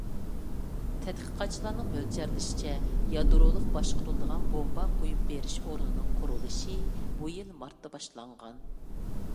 تەتقىقاتچىلارنىڭ مۆلچەرلىشىچە، يادرولۇق باشقۇرۇلىدىغان بومبا قويۇپ بېرىش ئورنىنىڭ قۇرۇلۇشى بۇ يىل مارتتا باشلانغان.